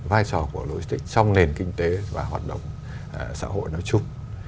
vai trò của logistics trong nền kinh tế và hoạt động xã hội nói chung